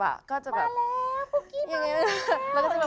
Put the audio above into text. ป๊าแล้วพวกกี้มาแล้ว